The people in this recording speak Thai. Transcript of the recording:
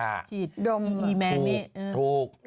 ชีดดมอีแมงนี่อืมถูก